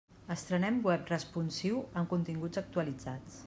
Estrenem web responsiu amb continguts actualitzats.